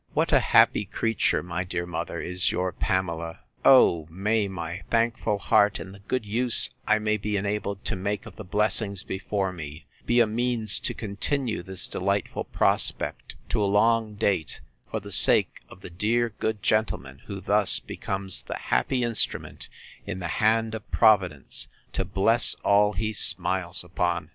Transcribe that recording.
What a happy creature, my dear mother, is your Pamela!—O may my thankful heart, and the good use I may be enabled to make of the blessings before me, be a means to continue this delightful prospect to a long date, for the sake of the dear good gentleman, who thus becomes the happy instrument, in the hand of Providence, to bless all he smiles upon!